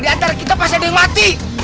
di antara kita pasti ada yang mati